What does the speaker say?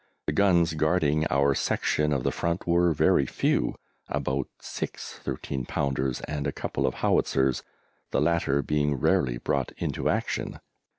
The guns guarding our section of the front were very few about six 13 pounders and a couple of howitzers, the latter being rarely brought into action.